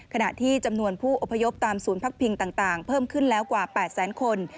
ขณะที่จำนวนผู้อพยพตามศูนย์พักพิงต่างเพิ่มขึ้นแล้วกว่า๘แสนคน